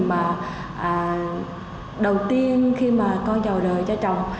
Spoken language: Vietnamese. mà đầu tiên khi mà con giàu đời cho chồng